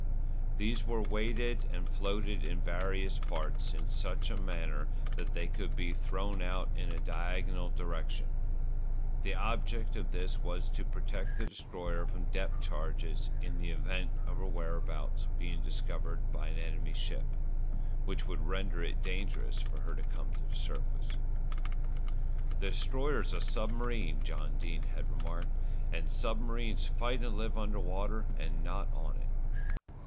These were weighted and floated in various parts in such a manner that they could be thrown out in a diagonal direction. The object of this was to protect the Destroyer from depth charges in the event of her whereabouts being discovered by an enemy ship, which would render it dangerous for her to come to the surface. "The Destroyer's a submarine," John Dene had remarked, "and submarines fight and live under water and not on it."